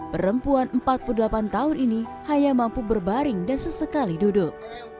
perempuan empat puluh delapan tahun ini hanya mampu berbaring dan sesekali duduk